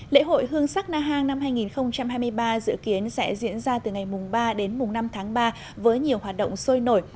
lễ hội hương sắc na hàng năm hai nghìn hai mươi ba dự kiến sẽ diễn ra từ ngày ba đến năm tháng ba với nhiều hoạt động sôi nổi